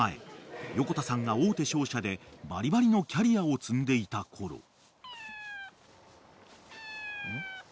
［横田さんが大手商社でバリバリのキャリアを積んでいたころ］